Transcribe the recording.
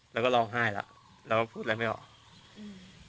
แล้วก็ร้องไห้แล้วเราก็พูดอะไรไม่ออกอืม